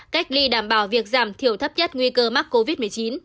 cách ly đảm bảo việc giảm thiểu thấp nhất nguy cơ mắc covid một mươi chín